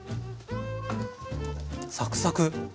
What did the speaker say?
サクサク。